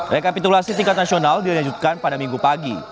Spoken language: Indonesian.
rekapitulasi tingkat nasional dilanjutkan pada minggu pagi